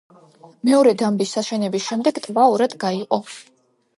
მეორე დამბის აშენების შემდეგ, ტბა ორად გაიყო.